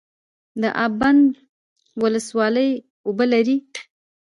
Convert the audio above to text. د اب بند ولسوالۍ اوبه لري